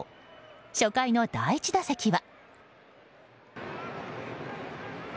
初回の第１打席は。